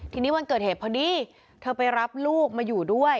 ทีนี้วันเกิดเหตุพอดีเธอไปรับลูกมาอยู่ด้วย